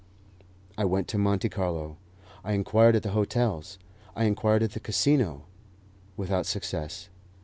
I went to Monte Carlo. I inquired at the hotels; I inquired at the Casino without success.